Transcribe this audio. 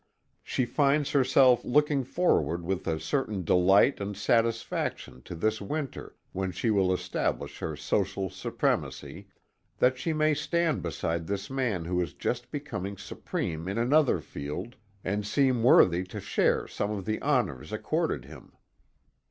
She finds herself looking forward with a certain delight and satisfaction to this winter when she will establish her social supremacy, that she may stand beside this man who is just becoming supreme in another field, and seem worthy to share some of the honors accorded him.